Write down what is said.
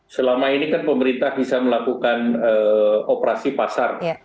selama ini kan pemerintah bisa melakukan operasi pasar